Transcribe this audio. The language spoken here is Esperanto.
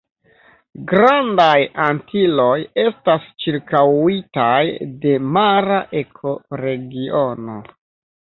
Grandaj Antiloj estas ĉirkaŭitaj de mara ekoregiono.